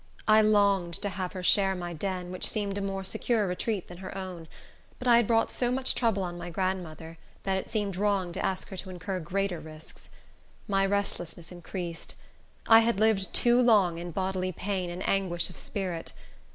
I longed to have her share my den, which seemed a more secure retreat than her own; but I had brought so much trouble on my grandmother, that it seemed wrong to ask her to incur greater risks. My restlessness increased. I had lived too long in bodily pain and anguish of spirit.